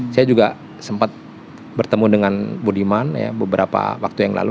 saya juga sempat bertemu dengan budiman beberapa waktu yang lalu